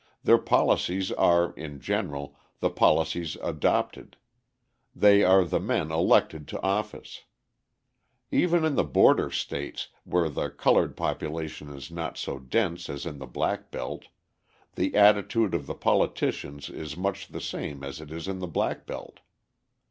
Their policies are, in general, the policies adopted; they are the men elected to office. Even in the border states, where the coloured population is not so dense as in the black belt, the attitude of the politicians is much the same as it is in the black belt.